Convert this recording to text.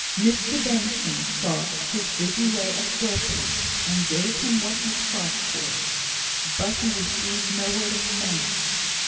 Mr Benson saw his dizzy way of groping, and gave him what he sought for; but he received no word of thanks.